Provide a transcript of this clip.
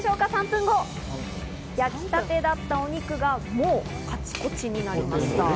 ３分後、焼きたてだったお肉がもうカチコチになりました。